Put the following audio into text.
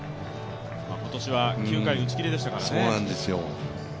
今年は９回打ち切りでしたからね。